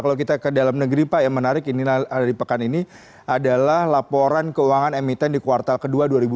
kalau kita ke dalam negeri pak yang menarik ini dari pekan ini adalah laporan keuangan emiten di kuartal ke dua dua ribu dua puluh